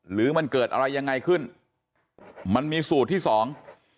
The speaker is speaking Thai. หรือมันเกิดอะไรยังไงขึ้นมันมีสูตรที่สอง